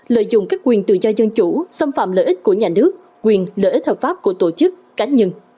lợi dụng các quyền tự do dân chủ xâm phạm lợi ích của nhà nước quyền lợi ích hợp pháp của tổ chức cá nhân